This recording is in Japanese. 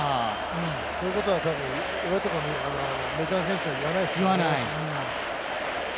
そういうことは多分、メジャー選手は言わないですよね。